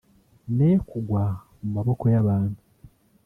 ne kugwa mu maboko y'abantu